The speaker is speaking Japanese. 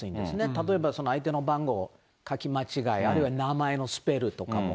例えば相手の番号を書き間違え、あるいは名前のスペルとかも。